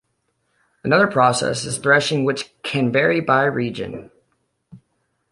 Another process is threshing which can vary by region.